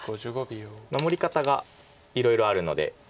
守り方がいろいろあるので。